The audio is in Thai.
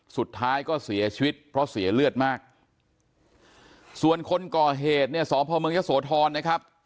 สุดท้ายก็เสียชีวิตเพราะเสียเลือดมากส่วนคนก่อเหตุเนี่ยสพเมืองยะโสธรนะครับ